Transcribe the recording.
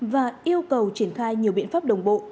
và yêu cầu triển khai nhiều biện pháp đồng bộ